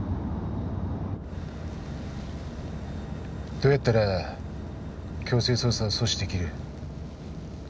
どうやったら強制捜査を阻止できる？